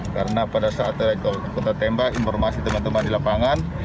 karena pada saat kita tembak informasi teman teman di lapangan